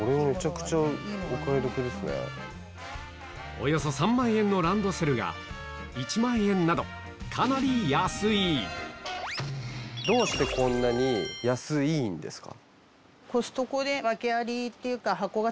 およそ３万円のランドセルが１万円などどうしてこんなに安イイんですか？